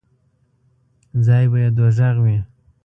ځای به یې دوږخ وي.